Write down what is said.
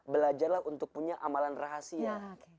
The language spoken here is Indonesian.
belajarlah untuk punya amalan rahasia